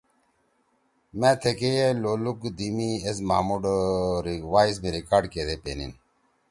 مأ تھیکے یے لولُوک دی می ایس مھامُوڑ وائس می ریکارڈ کیدے پینیِن۔